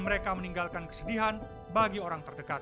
mereka meninggalkan kepedihan untuk orang terdekat